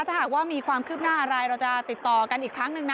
ถ้าหากว่ามีความคืบหน้าอะไรเราจะติดต่อกันอีกครั้งหนึ่งนะ